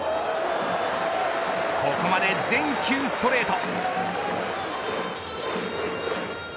ここまで全球ストレート。